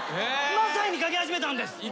マサイにかけ始めたんです。